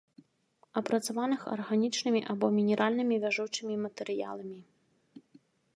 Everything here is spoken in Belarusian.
Апрацаваных арганічнымі або мінеральнымі вяжучымі матэрыяламі